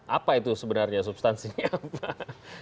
apa itu sebenarnya substansinya apa